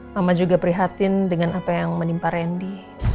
mama juga prihatin dengan apa yang menimpa randy